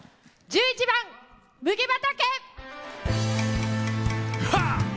１１番「麦畑」。